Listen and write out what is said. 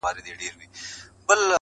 د هجرت غوټه تړمه روانېږم,